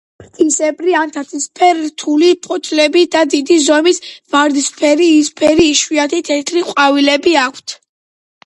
ფრთისებრი ან თათისებრ რთული ფოთლები და დიდი ზომის ვარდისფერი, იისფერი, იშვიათად თეთრი ყვავილები აქვთ.